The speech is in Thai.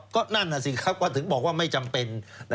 ก็นั่นน่ะสิครับก็ถึงบอกว่าไม่จำเป็น